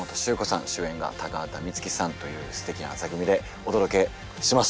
主演が高畑充希さんというすてきな座組でお届けします。